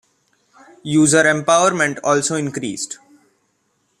User empowerment also increased.